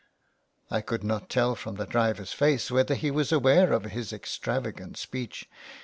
I could not tell from the driver's face whether he was aware of his extravagant speech.